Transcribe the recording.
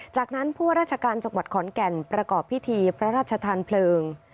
จากนั้นผู้ว่าราชการจังหวัดขอนแก่นประกอบพิธีพระราชทานเพลิง